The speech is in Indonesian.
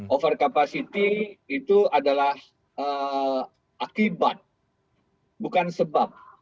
overcapacity itu adalah akibat bukan sebab